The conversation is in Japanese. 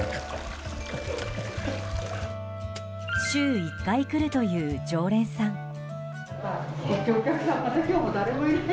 週１回来るという常連さん。